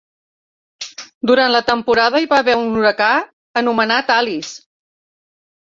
Durant la temporada hi va haver un huracà anomenat Alice.